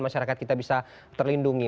masyarakat kita bisa terlindungi